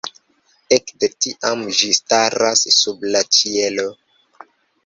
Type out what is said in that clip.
Ekde tiam ĝi staras sub la ĉielo.